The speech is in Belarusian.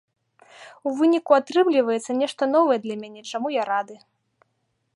У выніку атрымліваецца нешта новае для мяне, чаму я рады.